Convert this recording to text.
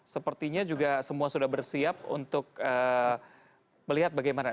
sepertinya juga semua sudah bersiap untuk melihat bagaimana